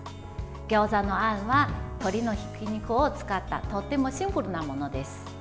ギョーザのあんは鶏のひき肉を使ったとってもシンプルなものです。